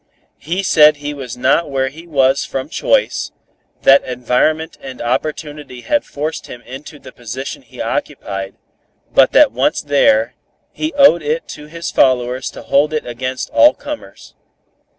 He said he was not where he was from choice, that environment and opportunity had forced him into the position he occupied, but that once there, he owed it to his followers to hold it against all comers.